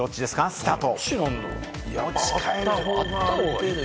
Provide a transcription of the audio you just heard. スタート。